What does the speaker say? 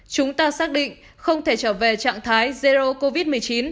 chúng ta xác định không thể trở về trạng thái zero covid một mươi chín